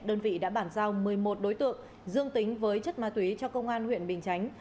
đơn vị đã bản giao một mươi một đối tượng dương tính với chất ma túy cho công an huyện bình chánh